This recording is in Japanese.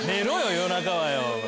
夜中はよ。